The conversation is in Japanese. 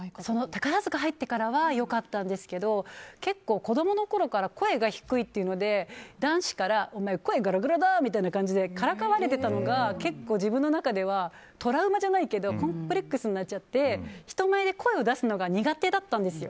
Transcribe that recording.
宝塚に入ってからは良かったんですが子供のころから声が低いので男子から、声がガラガラだってからかわれてたのが自分の中ではトラウマじゃないけどコンプレックスになっちゃって人前で声を出すのが苦手だったんです。